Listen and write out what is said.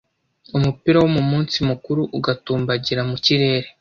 umupira wo mu munsi mukuru ugatumbagira mu kirere.